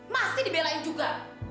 masih dibelain juga